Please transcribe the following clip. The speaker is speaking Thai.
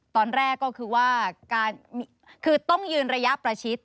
ตอนแรกก็คือว่าคือต้องยืนระยะประชิด